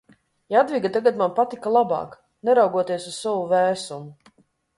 Jadviga tagad man patika labāk, neraugoties uz savu vēsumu.